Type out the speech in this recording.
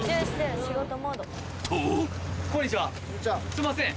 すいません